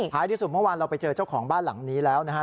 ที่สุดเมื่อวานเราไปเจอเจ้าของบ้านหลังนี้แล้วนะฮะ